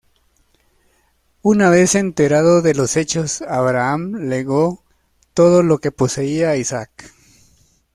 Una vez enterado de los hechos, Abraham legó todo lo que poseía a Isaac.